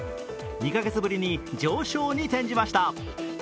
２カ月ぶりに上昇に転じました。